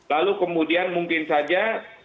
lalu kemudian mungkin saja